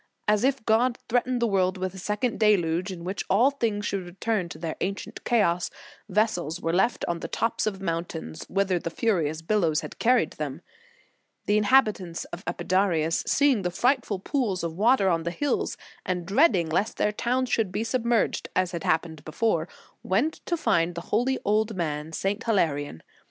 As if God threatened the world with a second deluge, in which all things should return to their ancient chaos, vessels were left on the tops of mountains, whither the furious billows had carried them. The inhabitants of Epidaurus, seeing the frightful pools of water on the hills, and dreading lest their town should be submerged, as had happened before, went to find the holy old man, St. Hilarion.